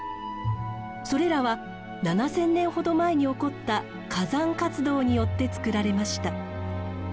それらは７，０００年ほど前に起こった火山活動によってつくられました。